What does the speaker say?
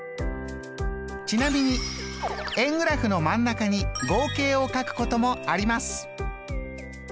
ちなみに円グラフの真ん中に合計を書くこともあります。